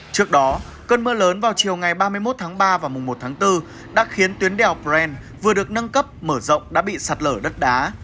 trước đó cơn mưa lớn vào chiều ngày ba mươi một tháng ba và mùng một tháng bốn đã khiến tuyến đèo bren vừa được nâng cấp mở rộng đã bị sạt lở đất đá